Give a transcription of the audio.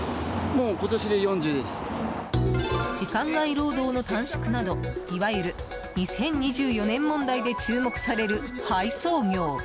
時間外労働の短縮などいわゆる２０２４年問題で注目される配送業。